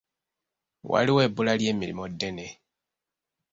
Waliwo ebbula ly'emirimu ddene.